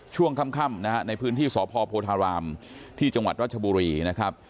ช่วงค่ำนะฮะในพื้นที่สพโพธารามที่จังหวัดรัชบุรีนะครับ